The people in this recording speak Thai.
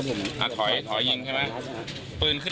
ปั้งตรงนี้